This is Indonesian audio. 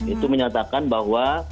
itu menyatakan bahwa